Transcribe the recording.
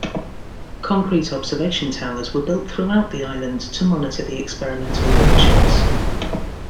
Concrete observation towers were built throughout the island to monitor the experimental launchings.